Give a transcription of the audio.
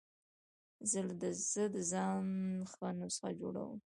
زه د ځان ښه نسخه جوړوم.